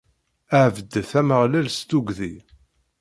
Ɛebdet Ameɣlal s tuggdi.